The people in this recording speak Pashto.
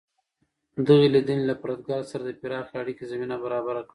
دغې لیدنې له پرتګال سره د پراخې اړیکې زمینه برابره کړه.